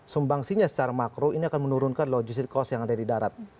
sumbangsinya secara makro ini akan menurunkan logistik cost yang ada di darat